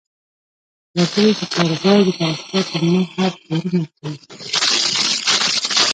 وګړي د کاروبار د پراختیا په موخه پورونه اخلي.